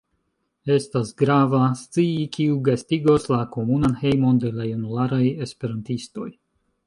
Estas grava scii kiu gastigos la komunan hejmon de la junularaj esperantistoj